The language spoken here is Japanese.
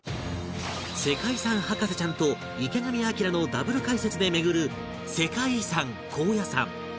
世界遺産博士ちゃんと池上彰のダブル解説で巡る世界遺産高野山